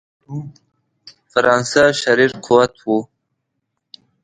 فرانسه شریر قوت وو.